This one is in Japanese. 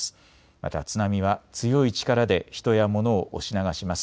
また津波は強い力で人や物を押し流します。